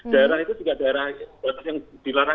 daerah itu juga daerah yang dilarang